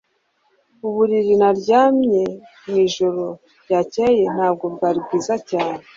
Uburiri naryamye mwijoro ryakeye ntabwo bwari bwiza cyane